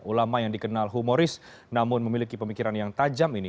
ulama yang dikenal humoris namun memiliki pemikiran yang tajam ini